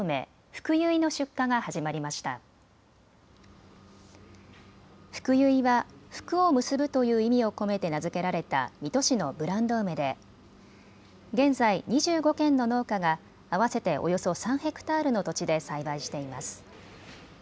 ふくゆいは福を結ぶという意味を込めて名付けられた水戸市のブランド梅で、現在、２５軒の農家が合わせておよそ３ｈａの土地で栽培しています。